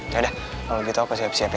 yaudah kalo gitu aku siap siap ya